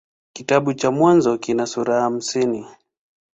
Kitabu cha Mwanzo kina sura hamsini.